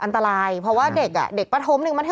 แซวครู